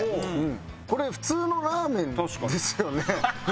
これ普通のラーメンですよね？